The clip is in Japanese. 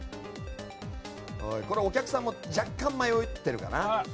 お客さんも若干迷ってるかな。